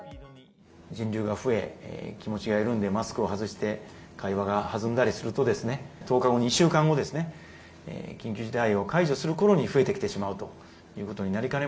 人流が増え、気持ちが緩んで、マスクを外して会話がはずんだりするとですね、１０日後、２週間後ですね、緊急事態を解除するころに増えてきてしまうということになりかね